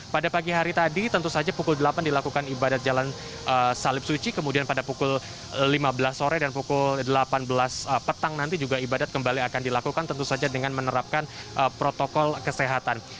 pada pagi hari tadi tentu saja pukul delapan dilakukan ibadat jalan salib suci kemudian pada pukul lima belas sore dan pukul delapan belas petang nanti juga ibadat kembali akan dilakukan tentu saja dengan menerapkan protokol kesehatan